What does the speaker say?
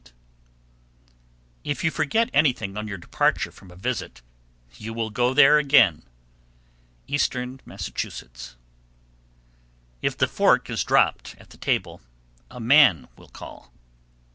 If you forget anything on your departure from a visit, you will go there again. Eastern Massachusetts. 755. If the fork is dropped at the table, a man will call.